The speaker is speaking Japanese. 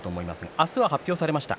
明日は発表されました。